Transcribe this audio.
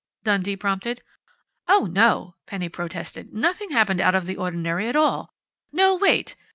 Dundee prompted. "Oh, no!" Penny protested. "Nothing happened out of the ordinary at all No, wait!